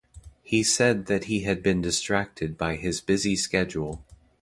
He said that he had been distracted by his busy schedule.